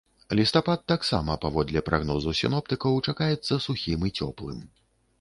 Лістапад таксама, паводле прагнозу сіноптыкаў, чакаецца сухім і цёплым.